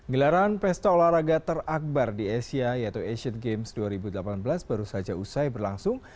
gelaran pesta olahraga terakbar di asia yaitu asian games dua ribu delapan belas baru saja usai berlangsung